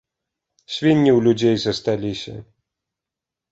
Свінні ў людзей засталіся.